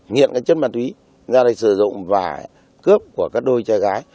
nghiện cái chất bàn túy ra đây sử dụng và cướp của các đôi trai gái